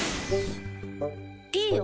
いいよ